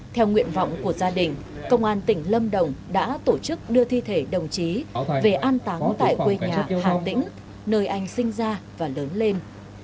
theo nguyện vọng của gia đình công an tỉnh lâm đồng đã tổ chức đưa thi thể đồng chí về an táng tại quê nhà hà tĩnh nơi anh sinh ra và lớn lên